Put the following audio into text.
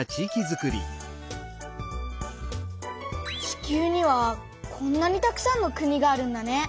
地球にはこんなにたくさんの国があるんだね！